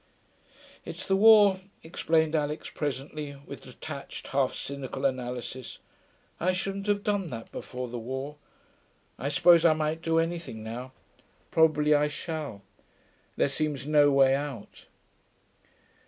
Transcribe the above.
'It's the war,' explained Alix presently, with detached, half cynical analysis. 'I shouldn't have done that before the war. I suppose I might do anything now. Probably I shall. There seems no way out....'